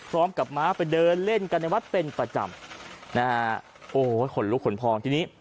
ม้าไปเดินเล่นกันในวัดเป็นประจำนะฮะโอ้โหขนลุกขนพองทีนี้